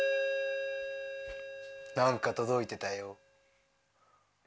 何か届いてたよ。